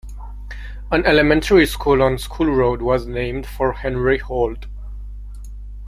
An elementary school on School Road was named for Henry Holt.